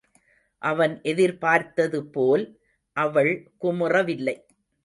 அவன் எதிர்பார்த்தது போல், அவள் குமுறவில்லை.